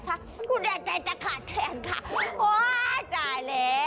หาด้านใจต้องไหนคะกุ่นแยะใจจะขาดแถนค่ะ